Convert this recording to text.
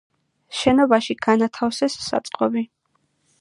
შენობაში განათავსეს საწყობი.